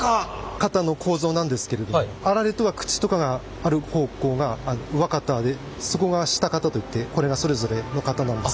型の構造なんですけれどもあられとか口とかがある方向が上型で底が下型といってこれがそれぞれの型なんです。